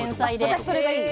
私それがいい。